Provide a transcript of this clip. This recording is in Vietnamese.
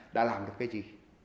đã làm được cái gì